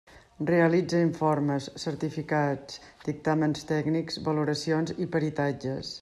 Realitza informes, certificats, dictàmens tècnics, valoracions i peritatges.